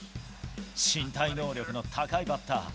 身体能力の高いバッター。